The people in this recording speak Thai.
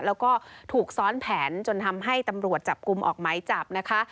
แล้วก็ถูกซ้อนแผนจนทำให้ตำรวจจับกลุ่มออกไหมจับนะคะ